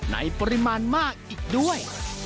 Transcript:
ปริมาณมากอีกด้วย